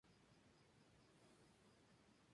Nelson perdió la pelea por decisión dividida.